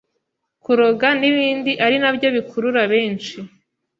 kuroga n’ibindi ari nabyo bikurura benshi